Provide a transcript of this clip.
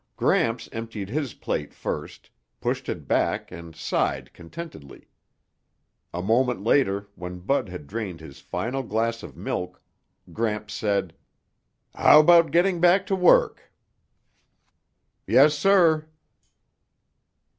Gramps emptied his plate first, pushed it back and sighed contentedly. A moment later when Bud had drained his final glass of milk, Gramps said, "How about getting back to work?" "Yes, sir."